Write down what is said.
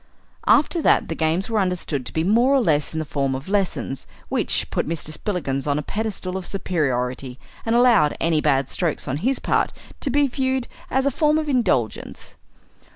After that the games were understood to be more or less in the form of lessons, which put Mr. Spillikins on a pedestal of superiority, and allowed any bad strokes on his part to be viewed as a form of indulgence.